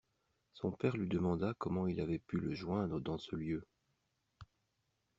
Son père lui demanda comment il avait pu le joindre dans ce lieu.